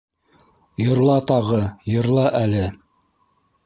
— Йырла тағы, йырла әле!